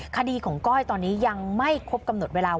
คดีของก้อยตอนนี้ยังไม่ครบกำหนดเวลา